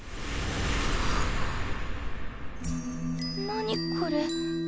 何これ。